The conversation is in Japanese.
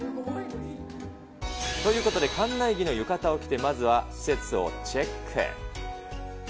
ということで、館内着の浴衣を着て、まずは施設をチェック。